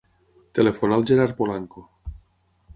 Telefona al Gerard Polanco.